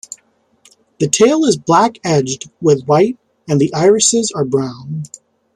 The tail is black edged with white and the irises are brown.